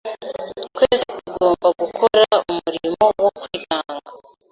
Twese tugomba gukora umurimo wo kwitanga.